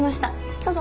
どうぞ。